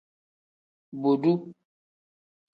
Bodu.